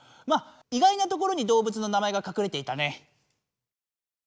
まあ意外なところに動物の名前が隠れていたね。